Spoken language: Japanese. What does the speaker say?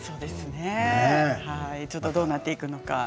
どうなっていくのか。